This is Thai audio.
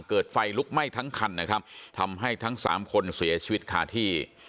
เกิดไฟลุกไหม้ทั้งคันนะครับทำให้ทั้งสามคนเสียชีวิตคาที่